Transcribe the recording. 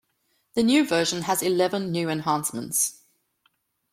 The new version has eleven new enhancements.